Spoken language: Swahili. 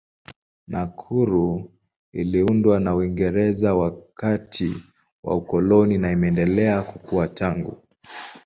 Nakuru iliundwa na Uingereza wakati wa ukoloni na imeendelea kukua tangu.